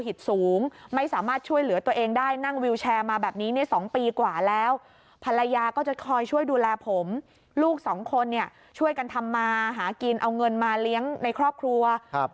คนเนี่ยช่วยกันทำมาหากินเอาเงินมาเลี้ยงในครอบครัวครับ